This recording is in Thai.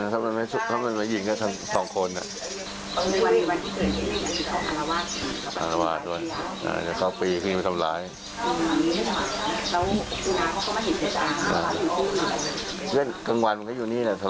ถ้ามันไม่ยินก็๒คนน่ะ